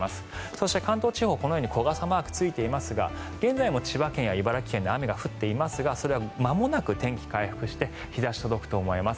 そして関東地方このように小傘マークがついていますが現在も千葉県や茨城県で雨が降っていますがそれはまもなく天気回復して日差しが届くと思います。